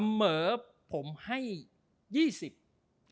เสมอผมให้๒๐เปอร์เซ็นต์